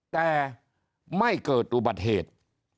แต่ไม่เกิดอุบัติเหตุ